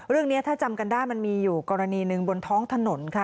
เรื่องนี้ถ้าจำกันได้มันมีอยู่กรณีหนึ่งบนท้องถนนค่ะ